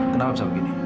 kenapa bisa begini